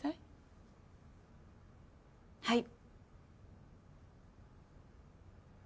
はい。